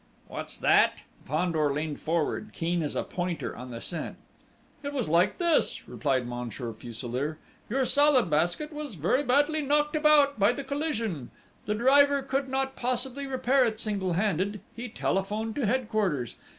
"What's that?" Fandor leaned forward, keen as a pointer on the scent. "It was like this," replied Monsieur Fuselier. "Your Salad Basket was very badly knocked about by the collision. The driver could not possibly repair it single handed. He telephoned to Headquarters.